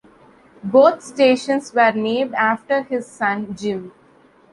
Both stations were named after his son Jim.